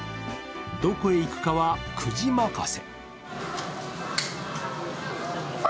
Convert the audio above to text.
どこへ行くかはくじ任せ。